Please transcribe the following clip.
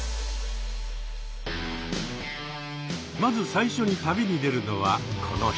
まず最初に旅に出るのはこの人。